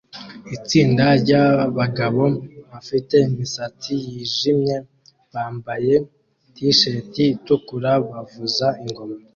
Itsinda ryabagabo bafite imisatsi yijimye bambaye t-shati itukura bavuza ingoma